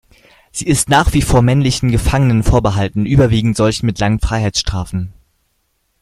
Sie ist nach wie vor männlichen Gefangenen vorbehalten, überwiegend solchen mit langen Freiheitsstrafen.